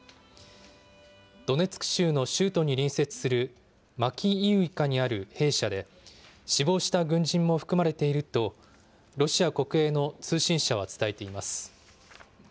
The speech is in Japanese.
ドネツク州の州都に隣接するマキイウカにある兵舎で死亡した軍人も含まれていると、ロシア国営の通信社が伝えています。